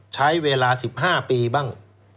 ใช้เวลา๑๕ปีบ้าง